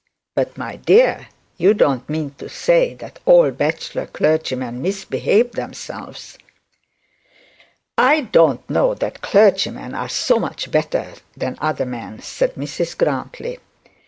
'But, my dear, you don't mean to say that all bachelor clergymen misbehave themselves.' 'I don't know that clergymen are so much better than other men,' said Mrs Grantly.